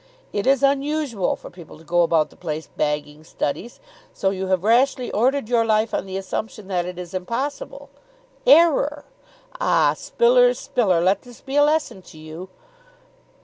It is unusual for people to go about the place bagging studies, so you have rashly ordered your life on the assumption that it is impossible. Error! Ah, Spiller, Spiller, let this be a lesson to you."